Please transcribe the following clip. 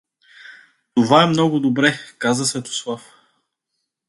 — Това е много добре — каза Светослав.